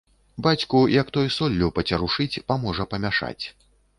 Бацьку, як той соллю пацярушыць, паможа памяшаць.